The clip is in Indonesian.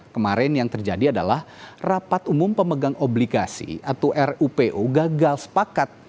kemarin yang terjadi adalah rapat umum pemegang obligasi atau rupo gagal sepakat